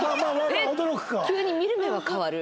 急に見る目は変わる。